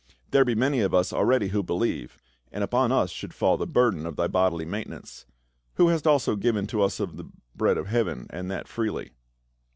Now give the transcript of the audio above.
There be many of us already who believe, and upon us should fall the burden of thy bodily maintenance — who hast also given to us of the bread of heaven, and that freely."